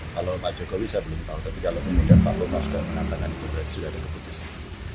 kalau pak jokowi saya belum tahu tapi kalau kemudian pak bapak sudah mengatakan itu berarti sudah ada keputusan